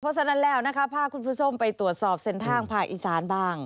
เพราะฉะนั้นแล้วนะคะพาคุณผู้ชมไปตรวจสอบเส้นทางภาคอีสานบ้าง